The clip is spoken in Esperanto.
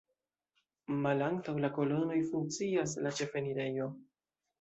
Malantaŭ la kolonoj funkcias la ĉefenirejo.